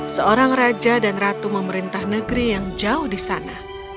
seorang raja dan ratu memerintah negeri yang jauh di sana